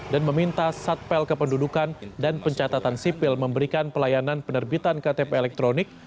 dan meminta satpel kependudukan dan pencatatan sipil memberikan pelayanan penerbitan ktp elektronik